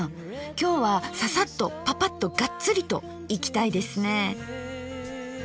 今日はササッとパパッとガッツリといきたいですね。